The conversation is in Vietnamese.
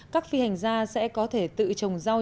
các phi hành gia sẽ có thể tự trồng rau